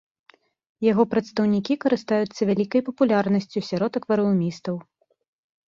Яго прадстаўнікі карыстаюцца вялікай папулярнасцю сярод акварыумістаў.